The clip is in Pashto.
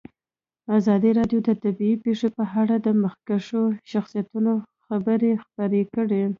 ازادي راډیو د طبیعي پېښې په اړه د مخکښو شخصیتونو خبرې خپرې کړي.